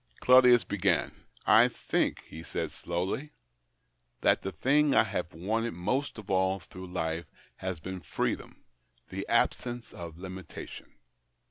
Claudius began. " I think," he said slowly, " that the thing I have wanted most all through life has been freedom — the absence of limitation.